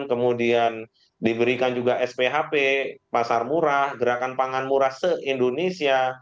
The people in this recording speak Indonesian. kemudian diberikan juga sphp pasar murah gerakan pangan murah se indonesia